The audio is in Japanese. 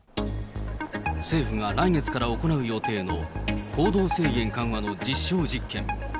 政府が来月から行う予定の行動制限緩和の実証実験。